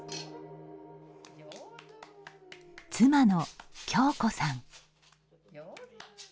妻の恭子さん。